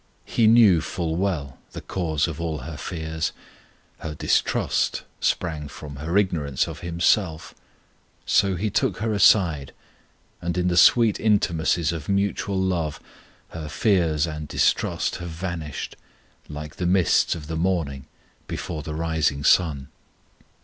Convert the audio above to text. He knew full well the cause of all her fears; her distrust sprang from her ignorance of Himself, so He took her aside, and in the sweet intimacies of mutual love her fears and distrust have vanished, like the mists of the morning before the rising sun.